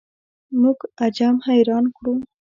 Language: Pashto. موږ عجم حیران کړو.